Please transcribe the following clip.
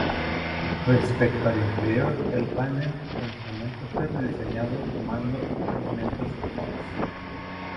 Respecto al interior, el panel de instrumentos fue rediseñado, tomando elementos del Fox.